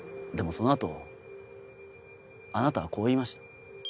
その後あなたはこう言いました。